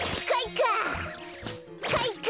かいか！